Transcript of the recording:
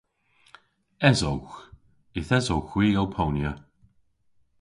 Esowgh. Yth esowgh hwi ow ponya.